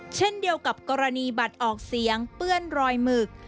เช่นเดียวกับกรณีบัตรออกเสียงเปื้อนรอยหมึก